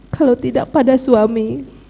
kalau tidak pada suami